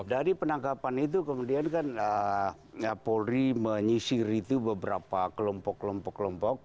dari penangkapan itu kemudian kan polri menyisir itu beberapa kelompok kelompok